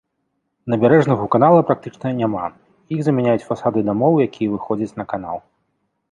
Набярэжных у канала практычна няма, іх замяняюць фасады дамоў, якія выходзяць на канал.